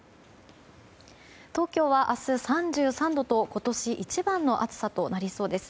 東京は明日３３度と今年一番の暑さとなりそうです。